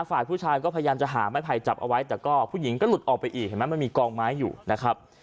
ฝ่ายผู้ชายก็พยายามจะหาไม้ไผ่จับเอาไว้แต่ก็ผู้หญิงก็หลุดออกไปอีกเห็นไหมมันมีกองไม้อยู่นะครับ